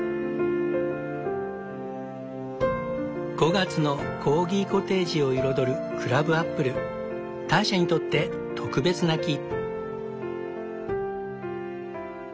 ５月のコーギコテージを彩るターシャにとって特別な木。